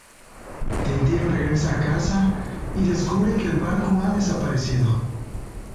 Tintín regresa a casa, y descubre que el barco ha desaparecido.